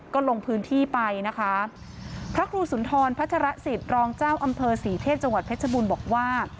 ก็ลงพื้นที่ไปนะคะพระครูสุนทรพัชรสิทธิ์รองเจ้าอำเภอศรีเทพจังหวัดเพชรบูรณ์บอกว่า